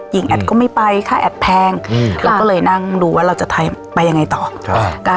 แอดก็ไม่ไปค่าแอดแพงอืมเราก็เลยนั่งดูว่าเราจะไทยไปยังไงต่อใช่